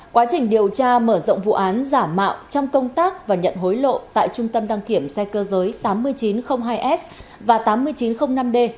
quá trình điều tra mở rộng vụ án giả mạo trong công tác và nhận hối lộ tại trung tâm đăng kiểm xe cơ giới tám nghìn chín trăm linh hai s và tám nghìn chín trăm linh năm d